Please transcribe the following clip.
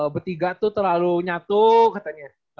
bertiga tuh terlalu nyatu katanya